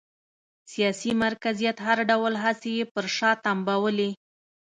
سیاسي مرکزیت هر ډول هڅې یې پر شا تمبولې